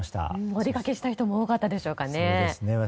お出かけした人も多かったでしょうかね。